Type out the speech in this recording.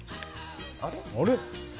あれ？